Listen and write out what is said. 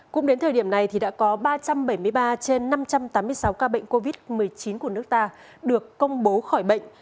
cũng đến thời điểm này thì đã có ba trăm bảy mươi ba trên năm trăm tám mươi sáu ca bệnh covid một mươi chín của nước ta được công bố khỏi bệnh